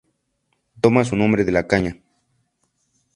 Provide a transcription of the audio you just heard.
Toma su nombre de la caña.